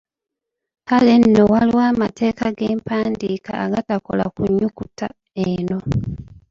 Kale nno waliwo amateeka g’empandiika agatakola ku nnyukuta eno.